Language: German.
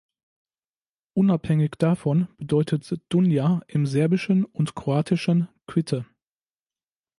Unabhängig davon bedeutet Dunja im Serbischen und Kroatischen „Quitte“.